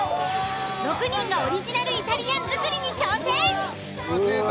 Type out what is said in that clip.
６人がオリジナルイタリアン作りに挑戦！